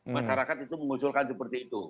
masyarakat itu mengusulkan seperti itu